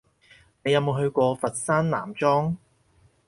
你有冇去過佛山南莊？